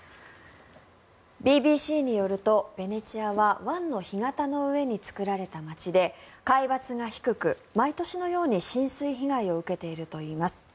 ＢＢＣによるとベネチアは湾の干潟の上に作られた街で海抜が低く毎年のように浸水被害を受けているといいます。